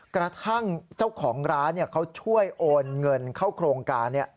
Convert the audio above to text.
กระทั่งเจ้าของร้านเขาช่วยโอนเงินเข้าโครงการ